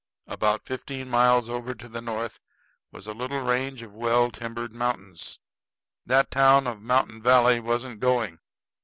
About fifteen miles over to the north was a little range of well timbered mountains. That town of Mountain Valley wasn't going.